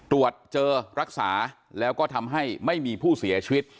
ตรวจเจอรักษาแล้วก็ทำให้ไม่มีผู้เสียชีวิต